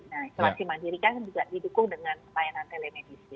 nah isolasi mandiri kan juga didukung dengan pelayanan telemedici